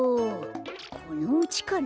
このうちかな？